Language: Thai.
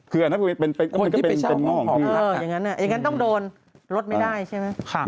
คืออันนั้นมันก็เป็นงอกอย่างนั้นต้องโดนโลดไม่ได้ใช่ไหม